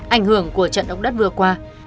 ảnh hưởng của trận động đất vừa qua